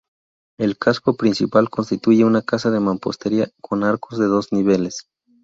El casco principal constituye una casa de mampostería con arcos de dos niveles.